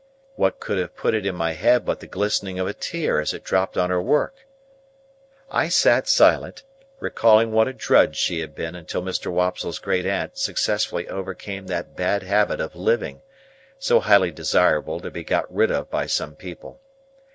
What could have put it in my head but the glistening of a tear as it dropped on her work? I sat silent, recalling what a drudge she had been until Mr. Wopsle's great aunt successfully overcame that bad habit of living, so highly desirable to be got rid of by some people.